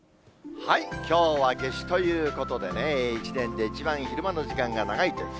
きょうは夏至ということでね、１年で一番昼間の時間が長いです。